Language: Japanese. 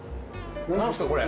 何ですかこれ？